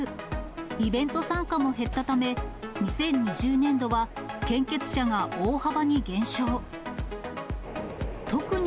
イベント参加も減ったため、２０２０年度は献血者が大幅に減少。